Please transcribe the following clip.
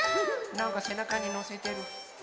なんかせなかにのせてる。